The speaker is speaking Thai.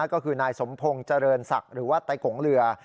ก็คือนายสมพงศ์เจริญศักดิ์หรือว่าไต้กงเรือ